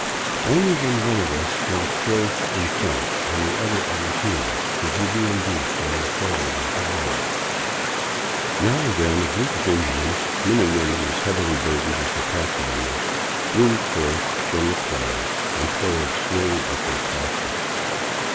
Only when one of us went close in front and the other at his heels could he be induced to move forward and downward. Now and then a group of Indians, men and women as heavily bur dened as their pack animals, loomed forth from the clouds and toiled slowly upward fast us.